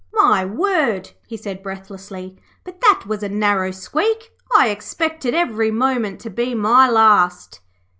'My word,' he said, breathlessly, 'but that was a narrow squeak. I expected every moment to be my last.'